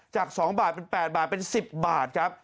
จาก๒บาทเป็น๘บาทเป็น๑๐บาทครับ